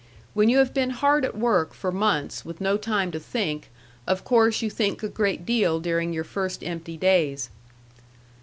When you have been hard at work for months with no time to think, of course you think a great deal during your first empty days.